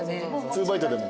２バイトでも。